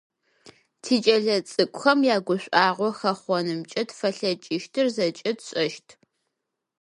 Тикӏэлэцӏыкӏухэм ягушӏуагъо хэхъонымкӏэ тфэлъэкӏыщтыр зэкӏэ тшӏэщт.